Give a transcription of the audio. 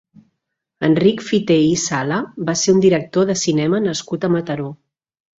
Enric Fité i Sala va ser un director de cinema nascut a Mataró.